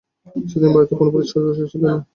সেদিন বাড়িতে কোনো পুরুষ সদস্য ছিলেন না।